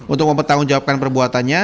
untuk mempertanggungjawabkan perbuatannya